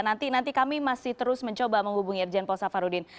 nanti kami masih terus mencoba menghubungi irjen paul safarudin